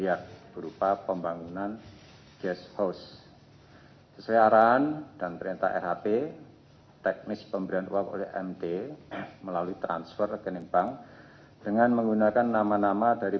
ada pun mt mendapatkan tiga paket pekerjaan dengan nilai